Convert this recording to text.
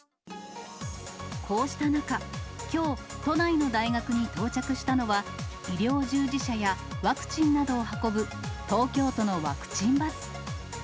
こうした中、きょう、都内の大学に到着したのは、医療従事者やワクチンなどを運ぶ東京都のワクチンバス。